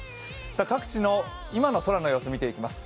各地の今の空の様子見ていきます。